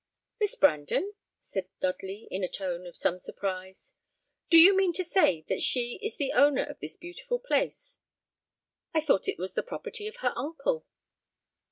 "Miss Brandon!" said Dudley, in a tone of some surprise. "Do you mean to say that she is the owner of this beautiful place? I thought it was the property of her uncle."